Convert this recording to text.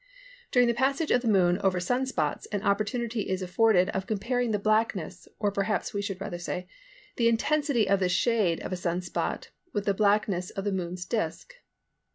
During the passage of the Moon over Sun spots an opportunity is afforded of comparing the blackness, or perhaps we should rather say, the intensity of the shade of a Sun spot with the blackness of the Moon's disc.